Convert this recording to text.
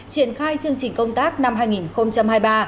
triển khai chương trình công tác năm hai nghìn hai mươi ba